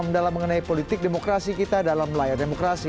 mendalam mengenai politik demokrasi kita dalam layar demokrasi